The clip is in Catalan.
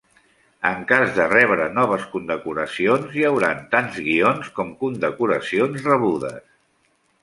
En cas de rebre noves condecoracions, hi hauran tants guions com condecoracions rebudes.